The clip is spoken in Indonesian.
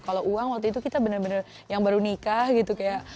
kalau uang waktu itu kita benar benar yang baru nikah gitu kayak